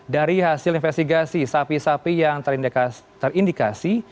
dari hasil investigasi sapi sapi yang terindikasi